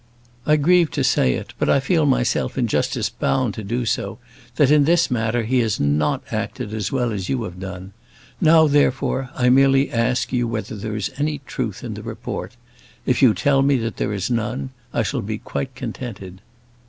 I grieve to say it, but I feel myself in justice bound to do so, that in this matter he has not acted as well as you have done. Now, therefore, I merely ask you whether there is any truth in the report. If you tell me that there is none, I shall be quite contented."